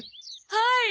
はい。